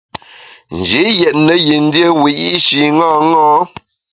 Nji yètne yin dié wiyi’shi ṅaṅâ.